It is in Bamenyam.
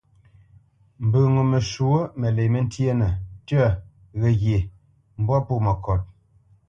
Mbə ŋo məshwǒ məlě məntyénə: tyə̂, ghəghye, mbwâ pô məkot.